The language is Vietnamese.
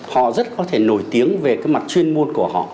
họ rất có thể nổi tiếng về cái mặt chuyên môn của họ